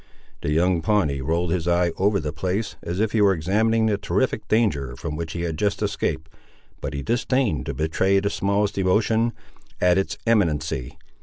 The young Pawnee rolled his eye over the place, as if he were examining the terrific danger from which he had just escaped, but he disdained to betray the smallest emotion, at its imminency.